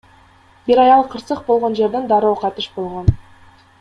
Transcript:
Бир аял кырсык болгон жерден дароо кайтыш болгон.